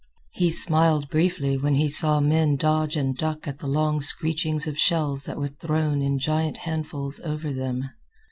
He smiled briefly when he saw men dodge and duck at the long screechings of shells that were thrown in giant handfuls over them.